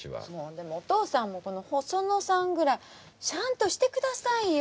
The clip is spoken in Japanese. でもお父さんもこの細野さんぐらいしゃんとして下さいよ。